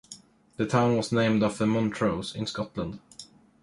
The town was named after Montrose, in Scotland.